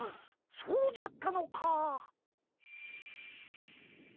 そうじゃったのかー。